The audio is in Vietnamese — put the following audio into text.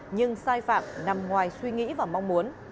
nhưng sai phạm nằm ngoài suy nghĩ và mong muốn